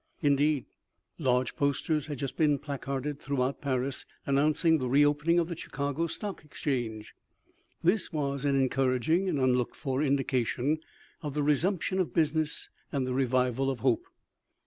Indeed, large posters had just been placarded throughout Paris, announcing the reopening of the Chicago stock exchange. This was an encouraging and unlocked for indication of the resumption of business and the revival of hope.